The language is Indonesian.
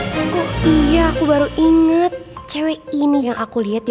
dengar jadi kesatuetanku nyeri